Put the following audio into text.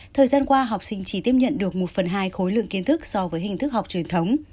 thời gian qua học sinh chỉ tiếp nhận được một phần hai khối lượng kiến thức so với hình thức học truyền thống